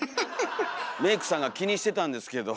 メークさんが気にしてたんですけど。